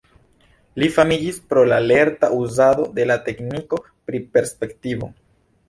Li famiĝis pro la lerta uzado de la tekniko pri perspektivo.